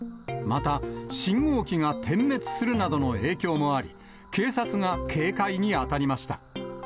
また、信号機が点滅するなどの影響もあり、警察が警戒に当たりました。